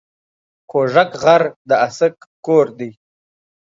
کوږک غر د اڅک کور دی